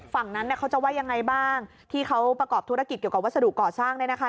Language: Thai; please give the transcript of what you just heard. ฝั่งนั้นเนี่ยเขาจะว่ายังไงบ้างที่เขาประกอบธุรกิจเกี่ยวกับวัสดุก่อสร้างเนี่ยนะคะ